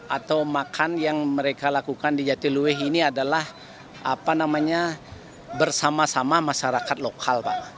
atau makan yang mereka lakukan di jatiluweh ini adalah bersama sama masyarakat lokal pak